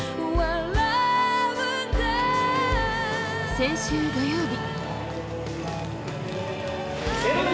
先週土曜日。